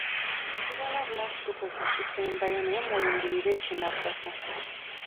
Tubalabula nti tukoze ekisembayo naye mulindirire ekinaddako.